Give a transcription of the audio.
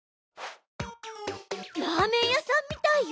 ラーメン屋さんみたいよ！